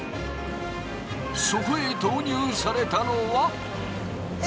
そこへ投入されたのは。え！？